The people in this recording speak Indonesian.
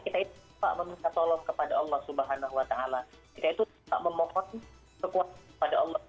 kita juga meminta tolong kepada allah subhanahu wa ta'ala ya itu tak memohon sekuat kepada allah